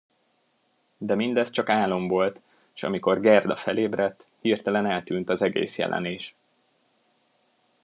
De mindez csak álom volt, s amikor Gerda felébredt, hirtelen eltűnt az egész jelenés.